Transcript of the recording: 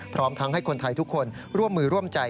พร้อมทั้งให้คนไทยทุกคนร่วมมือร่วมใจ